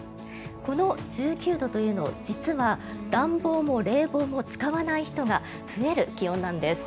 この１９度というの実は暖房も冷房も使わない人が増える気温なんです。